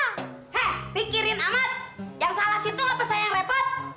hehehe pikirin amat yang salah situ apa saya yang repot